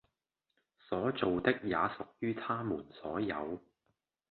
所造的也屬於它們所有